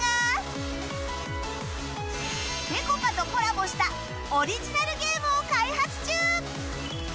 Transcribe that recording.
ぺこぱとコラボしたオリジナルゲームを開発中！